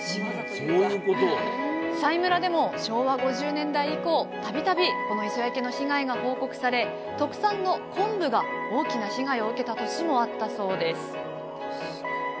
佐井村でも昭和５０年代以降度々この磯焼けの被害が報告され特産の昆布が大きな被害を受けた年もあったそうです。